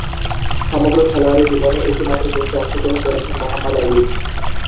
সমগ্র খেলোয়াড়ী জীবনে একটিমাত্র টেস্টে অংশগ্রহণ করেছেন মোহাম্মদ আইয়ুব।